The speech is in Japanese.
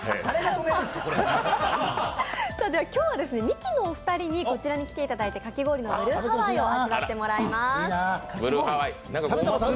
今日はミキのお二人にこちらに来ていただいて、かき氷のブルーハワイを味わってもらいます。